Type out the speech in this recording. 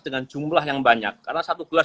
dengan jumlah yang banyak karena satu gelas